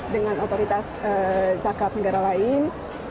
dengan otoritas zakat negara lain